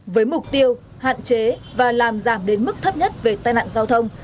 với mục tiêu hạn chế và làm giảm đến mức thấp nhất về tai nạn giao thông